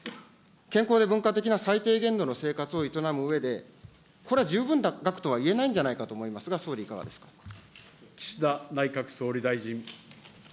健康で文化的な最低限度の生活を営むうえで、これ、十分な額とはいえないんじゃないかと思いますが、総理、いかがで岸田内閣総理大臣。